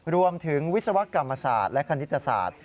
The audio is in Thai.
วิศวกรรมศาสตร์และคณิตศาสตร์